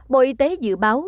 bộ y tế dự báo